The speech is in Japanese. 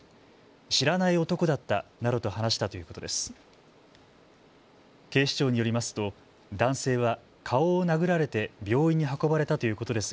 知らない男だったなどと話したということです。